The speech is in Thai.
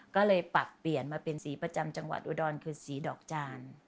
ก็เลยปรับเปลี่ยนมาเป็นสีประจำจังหวัดอุดรคือสีดอกจาน